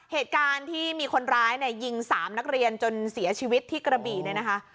เหตุการณ์ที่มีคนร้ายยิงสามนักเรียนจนเสียชีวิตที่กระบิรันดาคา